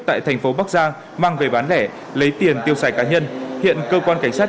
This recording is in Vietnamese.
tại thành phố bắc giang mang về bán lẻ lấy tiền tiêu xài cá nhân hiện cơ quan cảnh sát